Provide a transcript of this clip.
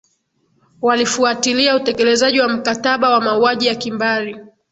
walifuatilia utekelezaji wa mkataba wa mauaji ya kimbari